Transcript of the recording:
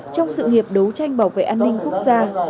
trong sự nghiệp đấu tranh bảo vệ an ninh quốc gia